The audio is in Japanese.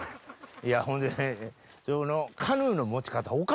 いやほんで。